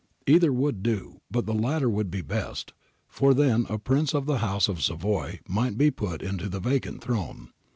Either would do, but the latter would be best, for then a Prince of the House of Savoy might be put into the vacant throne.